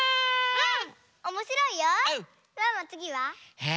うん。